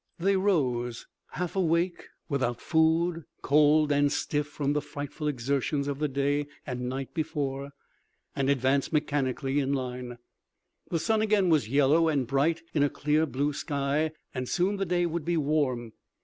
They rose, half awake, without food, cold, and stiff from the frightful exertions of the day and night before, and advanced mechanically in line. The sun again was yellow and bright in a clear blue sky, and soon the day would be warm.